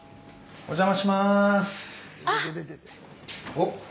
おっ！